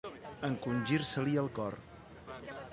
Encongir-se-li el cor.